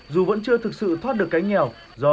dù vẫn chưa thực sự thoát được cái nghèo